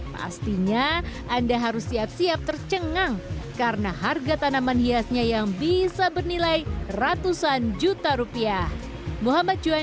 pastinya anda harus siap siap tercengang karena harga tanaman hiasnya yang bisa bernilai ratusan juta rupiah